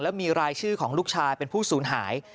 แล้วมีรายชื่อของลูกชายเป็นผู้สูญหาย